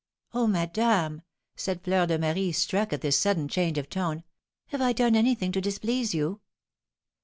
"Oh, madame," said Fleur de Marie, struck at this sudden change of tone, "have I done anything to displease you?"